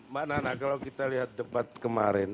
makna kalau kita lihat debat kemarin